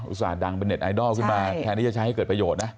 ส่าห์ดังเป็นเน็ตไอดอลขึ้นมาแทนที่จะใช้ให้เกิดประโยชน์นะ